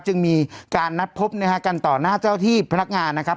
จึงมีการนัดพบนะฮะกันต่อหน้าเจ้าที่พนักงานนะครับ